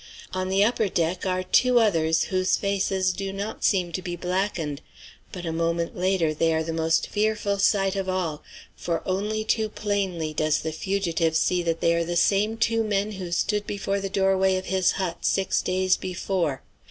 On the upper deck are two others whose faces do not seem to be blackened. But a moment later they are the most fearful sight of all; for only too plainly does the fugitive see that they are the same two men who stood before the doorway of his hut six days before.